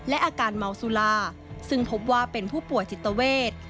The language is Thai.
และอาการเมาสุราซึ่งพบว่าเป็นผู้ป่วยจิตเวท